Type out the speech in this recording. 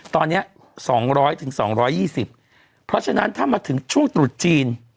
ตอนเนี้ยสองร้อยถึงสองร้อยยี่สิบเพราะฉะนั้นถ้ามาถึงช่วงตรุษจีน